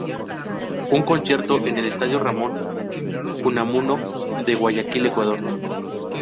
Un concierto en el Estadio Ramón Unamuno, de Guayaquil, Ecuador.